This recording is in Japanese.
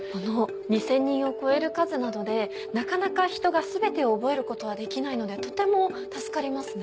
２０００人を超える数などでなかなかひとが全てを覚えることはできないのでとても助かりますね。